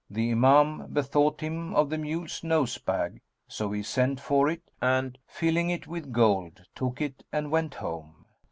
The Imam bethought him of the mule's nose bag; so he sent for it and, filling it with gold, took it and went home.